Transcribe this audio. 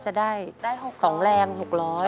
สวัสดีครับน้องเล่จากจังหวัดพิจิตรครับ